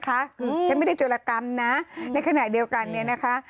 คือฉันไม่ได้โจรกรรมนะในขณะเดียวกันเนี่ยนะคะ